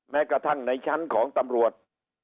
แม้กระทั่งในชั้นของตำรวจ